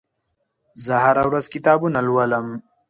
زه هره ورځ کتابونه لولم.